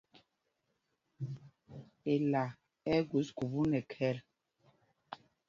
Ela ɛ́ ɛ́ gus khubú nɛ khɛl.